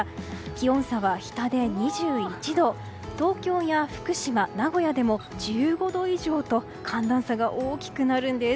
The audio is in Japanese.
気温差は日田で２１度東京や福島、名古屋でも１５度以上と寒暖差が大きくなるんです。